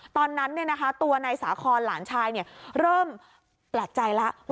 ตอนนั้นตัวในสาครหลานชายเริ่มประจายแล้ว